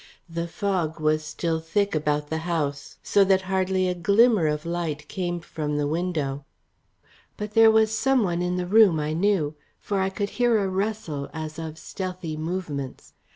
The fog was still thick about the house, so that hardly a glimmer of light came from the window. But there was some one in the room I knew, for I could hear a rustle as of stealthy movements.